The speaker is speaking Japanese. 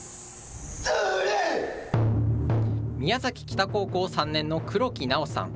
宮崎北高校３年の黒木渚央さん。